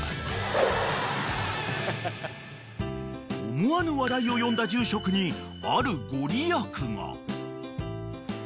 ［思わぬ話題を呼んだ住職にある御利益が］